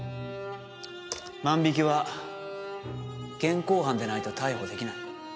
万引きは現行犯でないと逮捕出来ない。